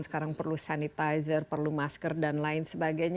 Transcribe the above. sekarang perlu sanitizer perlu masker dan lain sebagainya